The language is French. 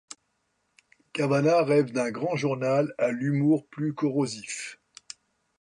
Cavanna rêve d'un grand journal à l'humour plus corrosif.